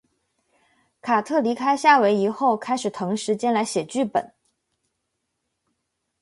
卡特离开夏威夷后开始腾时间来写剧本。